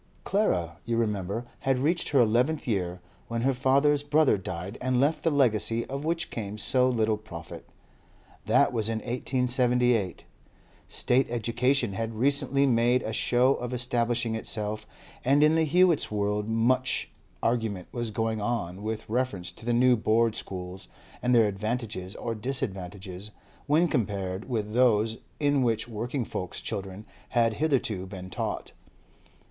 Clara, you remember, had reached her eleventh year when her father's brother died and left the legacy of which came so little profit. That was in 1878. State education had recently made a show of establishing itself, and in the Hewetts' world much argument was going on with reference to the new Board schools, and their advantages or disadvantages when compared with those in which working folk's children had hitherto been taught.